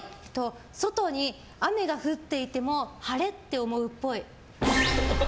外に雨が降っていても晴れ！って思うっぽい。